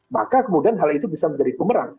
maka kemudian hal itu bisa menjadi pemerang